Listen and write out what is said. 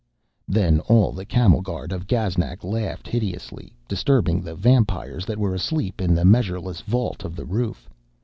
Then all the camel guard of Gaznak laughed hideously, disturbing the vampires that were asleep in the measureless vault of the roof.